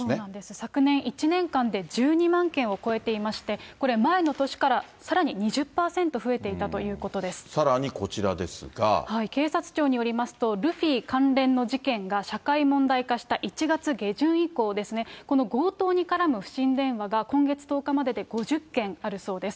昨年１年間で１２万件を超えていまして、これ、前の年からさらに２０％増えていさらに、警察庁によりますと、ルフィ関連の事件が社会問題化した１月下旬以降ですね、この強盗に絡む不審電話が、今月１０日までで５０件あるそうです。